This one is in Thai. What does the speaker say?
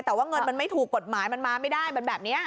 แต่ว่าเงินมันไม่ถูกกฎหมายมันมาไม่ได้มันแบบนี้